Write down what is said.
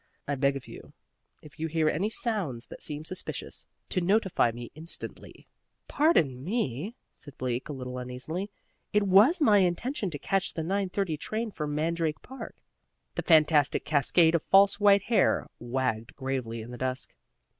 I beg of you, if you hear any sounds that seem suspicious, to notify me instantly." "Pardon me," said Bleak, a little uneasily; "it was my intention to catch the 9.30 train for Mandrake Park." The fantastic cascade of false white hair wagged gravely in the dusk.